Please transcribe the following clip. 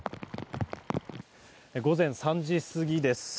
午前３時過ぎです。